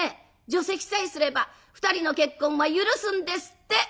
除籍さえすれば２人の結婚は許すんですって。